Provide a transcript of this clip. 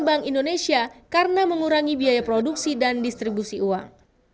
bank indonesia karena mengurangi biaya produksi dan distribusi uang